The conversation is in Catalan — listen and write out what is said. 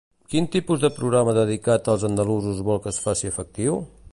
Quin tipus de programa dedicat als andalusos vol que es faci efectiu?